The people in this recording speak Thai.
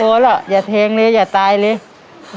หรอกอย่าแทงเลยอย่าตายเลย